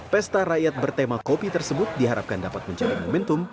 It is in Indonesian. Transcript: pesta rakyat bertema kopi tersebut diharapkan dapat menjadi momentum